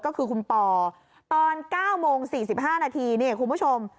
ก็คือคุณปอตอน๙โมง๔๕นาทีนี่คุณผู้ชม